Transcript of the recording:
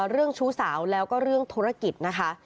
เรื่องชู้สาวแล้วก็เรื่องธุรกิจนะคะ